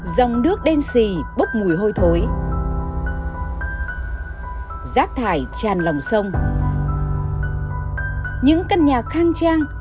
dòng nước đen xì bốc mùi hôi thối rác thải tràn lòng sông những căn nhà khang trang